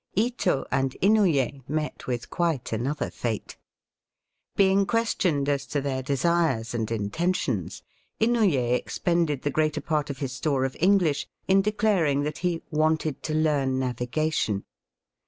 Ito and Inouye met with quite another fata Being questioned as to their desires and intentions, Inouye expended the greater part of his store of EngUsh in declaring that he " wanted to learn navigation."